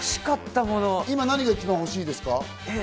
何が一番欲しいですか？